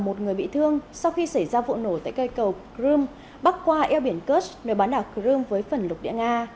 một người bị thương sau khi xảy ra vụ nổ tại cây cầu krum bắt qua eo biển kursk nơi bán đảo krum với phần lục địa nga